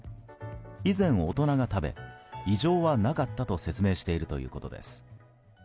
以前、大人が食べ異常はなかったと説明しているということです。